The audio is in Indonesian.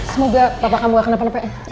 semoga papa kamu gak kena penepel